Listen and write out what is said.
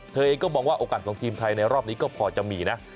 เธอเองก็มองว่าโอกาสของทีมไทยในรอบนี้ก็พอจะมีนะ